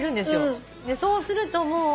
そうするともう。